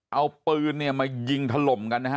เอาเปลือหนิมายิงถล่มกัน